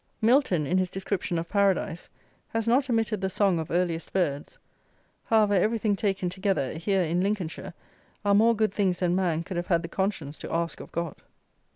MILTON, in his description of paradise, has not omitted the "song of earliest birds." However, everything taken together, here, in Lincolnshire, are more good things than man could have had the conscience to ask of God.